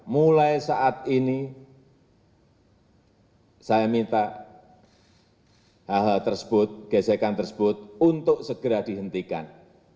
mulai saat ini saya minta hal hal tersebut gesekan tersebut untuk segera dihentikan